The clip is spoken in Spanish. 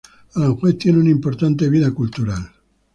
Aranjuez tiene una importante vida cultural.